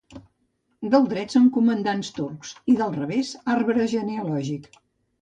Del dret són comandants turcs i del revés arbre genealògic.